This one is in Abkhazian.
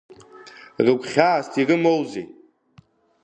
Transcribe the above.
Рыгәхьаас ирымоузеи…